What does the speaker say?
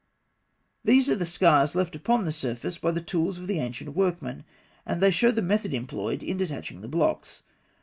These are the scars left upon the surface by the tools of the ancient workmen, and they show the method employed in detaching the blocks.